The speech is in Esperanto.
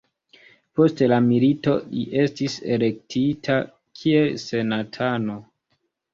Post la milito li estis elektita kiel senatano.